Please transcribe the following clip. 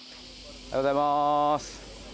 おはようございます。